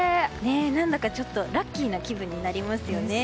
何だか、ちょっとラッキーな気分になりますよね。